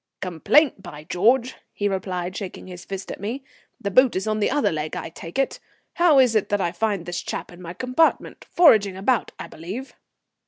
"Complaint, by George!" he replied, shaking his fist at me. "The boot is on the other leg, I take it. How is it that I find this chap in my compartment? Foraging about, I believe."